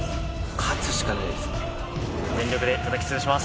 勝つしかないです。